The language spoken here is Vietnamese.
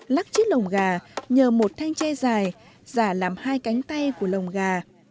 lắc chiếc lồng gà nhờ một thanh che dài giả làm hai cánh tay của lồng gà